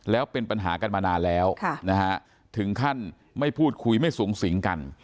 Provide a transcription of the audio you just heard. แล้วเป็นปัญหากันมานานแล้วนะฮะถึงขั้นไม่พูดคุยไม่สูงสิงกัน